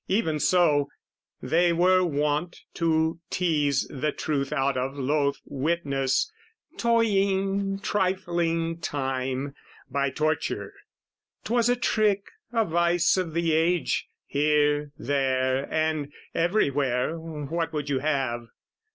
Even so; they were wont to tease the truth Out of loath witness (toying, trifling time) By torture: 'twas a trick, a vice of the age, Here, there, and everywhere, what would you have?